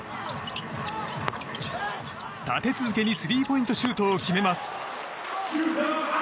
立て続けにスリーポイントシュートを決めます。